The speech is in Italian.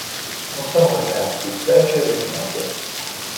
Non sono presenti specie velenose.